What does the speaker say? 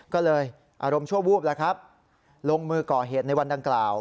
ก็เลยอารมณ์ชั่ววูบแล้วครับลงมือก่อเหตุในวันดังกล่าว